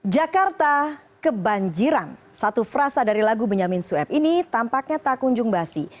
jakarta kebanjiran satu frasa dari lagu benyamin sueb ini tampaknya tak kunjung basi